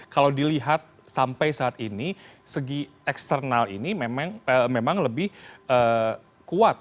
kalau dilihat sampai saat ini segi eksternal ini memang lebih kuat